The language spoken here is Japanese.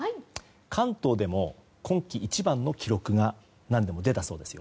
関東でも今季一番の記録が何でも、出たそうですよ。